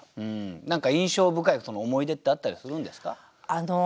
何か印象深い思い出ってあったりするんですか？